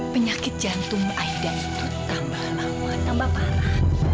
penyakit jantung aida itu tambah lama tambah parah